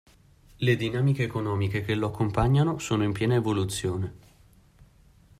Le dinamiche economiche che lo accompagnano sono in piena evoluzione.